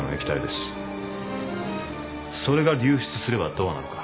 それが流出すればどうなるか。